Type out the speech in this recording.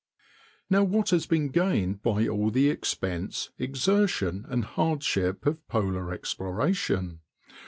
Now what has been gained by all the expense, exertion, and hardship of polar exploration?